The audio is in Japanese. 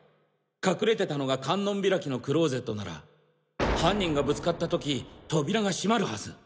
隠れてたのが観音開きのクローゼットなら犯人がぶつかった時扉が閉まるはず。